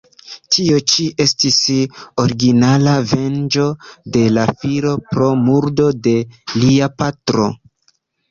Tio ĉi estis originala venĝo de la filo pro murdo de lia patro.